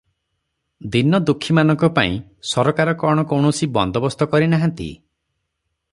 ଦୀନଦୁଃଖୀ-ମାନଙ୍କ ପାଇଁ ସରକାର କଣ କୌଣସି ବନ୍ଦୋବସ୍ତ କରିନାହାନ୍ତି?